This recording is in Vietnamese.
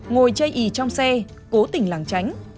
ngồi chây ý trong xe cố tình làng tránh